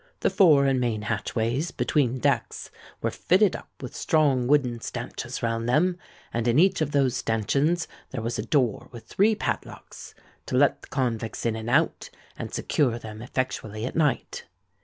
The fore and main hatchways, between decks, were fitted up with strong wooden stanchions round them; and in each of those stanchions there was a door with three padlocks, to let the convicts in and out, and secure them effectually at night.